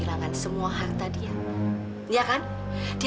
ini semua baju mira